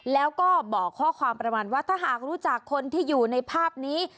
แล้วก็บอกข้อความประมาณว่าถ้าหากรู้จักคนที่อยู่ในภาพนี้